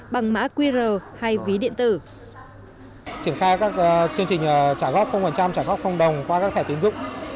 trả góp trả góp đồng qua các thẻ tiến dụng